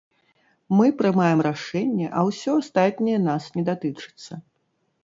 Мы прымаем рашэнне, а ўсё астатняе нас не датычыцца.